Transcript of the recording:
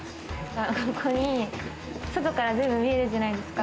ここ、外から全部見えるじゃないですか。